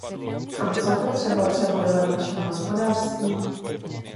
A co potřeba přebudovat naše hospodářství?